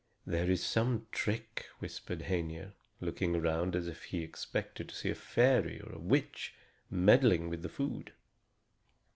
"There is some trick!" whispered Hœnir, looking around as if he expected to see a fairy or a witch meddling with the food.